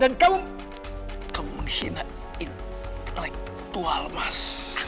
dan kamu kamu menghina intelektual mas